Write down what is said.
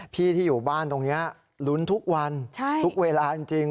พี่ที่อยู่บ้านตรงนี้ลุ้นทุกวันทุกเวลาจริง